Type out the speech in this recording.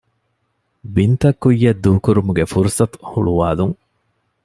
ބިންތައް ކުއްޔަށް ދޫކުރުމުގެ ފުރުޞަތު ހުޅުވާލުން